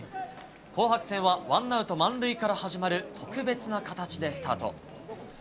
紅白戦は１アウト満塁から始まる、特別な形でスタート。